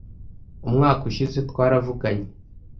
umwaka ushize twaravuganye